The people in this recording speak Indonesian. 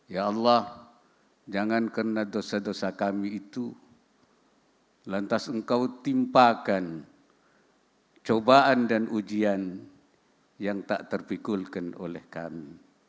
ya allah jangankan karena dosa dosa kami itu lantas engkau timpakan cobaan dan ujian yang tak terpikulkan oleh kami